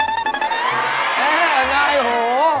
น่ายโห